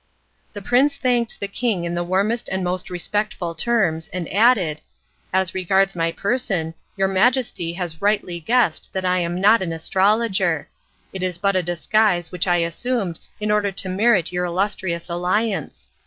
The prince thanked the king in the warmest and most respectful terms, and added: "As regards my person, your Majesty has rightly guessed that I am not an astrologer. It is but a disguise which I assumed in order to merit your illustrious alliance.